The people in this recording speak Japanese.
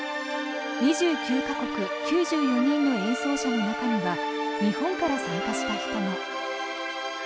２９か国９４人の演奏者の中には日本から参加した人も。